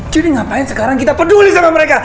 jadi ngapain sekarang kita peduli sama mereka